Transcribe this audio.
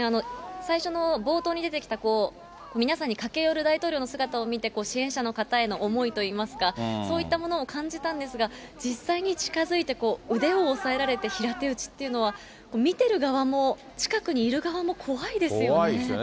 最初の、冒頭に出てきた、皆さんに駆け寄る大統領の姿を見て、支援者の方への思いといいますか、そういったものを感じたんですが、実際に近づいて、腕を押さえられて、平手打ちというのは、見てる側も、近くにいる側も怖いですよね。